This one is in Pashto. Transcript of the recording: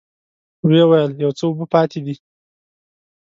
ويې ويل: يو څه اوبه پاتې دي.